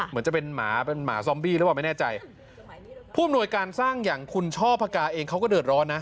เหมือนจะเป็นหมาเป็นหมาซอมบี้หรือเปล่าไม่แน่ใจผู้อำนวยการสร้างอย่างคุณช่อพกาเองเขาก็เดือดร้อนนะ